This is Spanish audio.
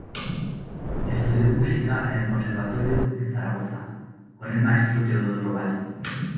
Estudió música en el conservatorio en Zaragoza con el maestro Teodoro Ballo.